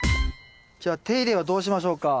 じゃあ手入れはどうしましょうか？